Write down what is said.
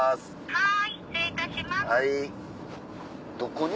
はい。